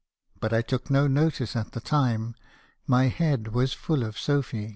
But I took no notice at the time ; my head was full of Sophy.